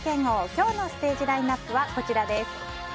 今日のステージラインアップはこちらです。